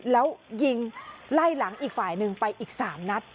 แล้วยิงไล่หลังอีกฝ่ายหนึ่งไปอีก๓นัด